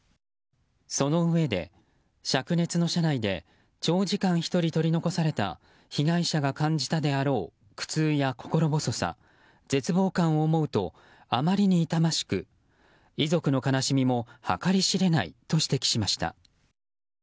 そのうえで、灼熱の車内で長時間１人取り残された被害者が感じたであろう苦痛や心細さ絶望感を思うとあまりに痛ましく遺族の悲しみも計り知れないと指摘しました。